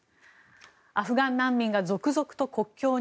アフガン難民が続々と国境に。